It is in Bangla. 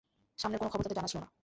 সামনের কোন খবরও তাদের জানা ছিল না।